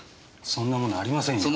そんなものありませんよ。